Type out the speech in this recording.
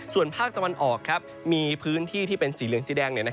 ส่วนภาคตะวันออกมีพื้นที่ที่เป็นสีเหลืองสีแดง